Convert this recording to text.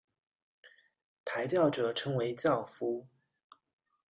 抬轿者称为轿夫。